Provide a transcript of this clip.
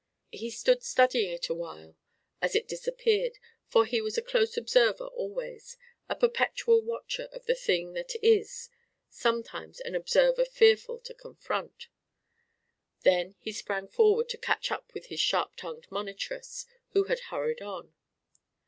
He stood studying it awhile as it disappeared, for he was a close observer always a perpetual watcher of the thing that is sometimes an observer fearful to confront. Then he sprang forward to catch up with his sharp tongued monitress, who had hurried on.